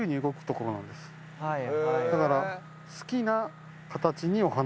だから。